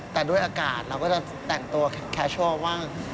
แต่ด้วยอากาศเราก็จะแต่งตัวแคชัลว่าง